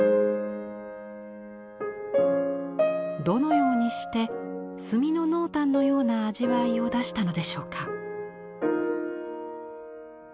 どのようにして墨の濃淡のような味わいを出したのでしょうか。